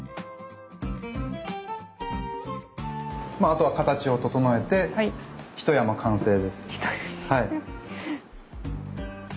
まああとは形を整えてひと山完成です。